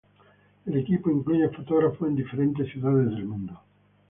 El equipo incluye fotógrafos en diferentes ciudades del mundo.